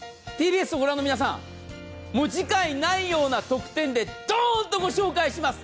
ＴＢＳをご覧の皆さん、次回ないような特典でドーンとご紹介します。